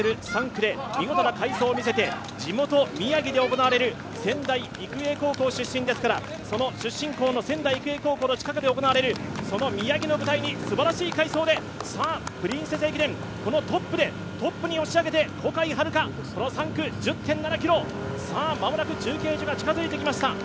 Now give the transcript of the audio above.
３区で見事な快走を見せて地元・宮城で行われる仙台育英高校出身ですからその地元の宮城の舞台にすばらしい快走で、プリンセス駅伝、このトップに押し上げて小海遥、この３区、１０．７ｋｍ、間もなく中継所が近づいてきました。